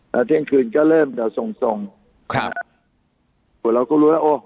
แล้วเที่ยงคืนก็เริ่มเดี๋ยวทรงทรงครับแล้วเราก็รู้ว่าโอ๊ะ